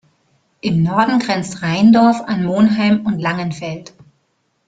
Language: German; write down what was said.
Im Norden grenzt Rheindorf an Monheim und Langenfeld.